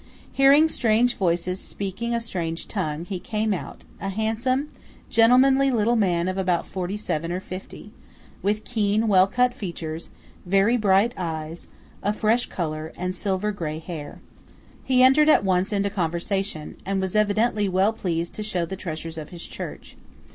Hearing strange voices speaking a strange tongue, he came out–a handsome, gentlemanly little man of about forty seven or fifty, with keen well cut features, very bright eyes, a fresh colour, and silver grey hair. He at once entered into conversation, and was evidently well pleased to show the treasures of his church.